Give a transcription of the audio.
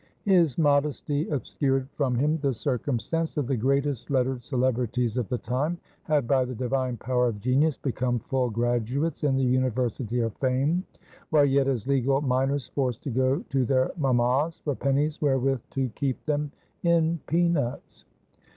His modesty obscured from him the circumstance, that the greatest lettered celebrities of the time, had, by the divine power of genius, become full graduates in the University of Fame, while yet as legal minors forced to go to their mammas for pennies wherewith to keep them in peanuts.